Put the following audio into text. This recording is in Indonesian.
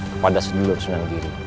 kepada sedulur sunan giri